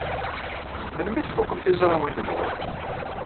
Melmi ay tfukem tizrawin-nwen?